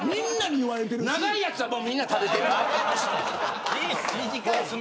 長いやつはもうみんな食べてるから。